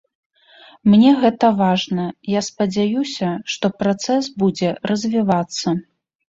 Мне гэта важна, я спадзяюся, што працэс будзе развівацца.